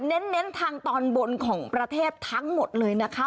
เน้นทางตอนบนของประเทศทั้งหมดเลยนะคะ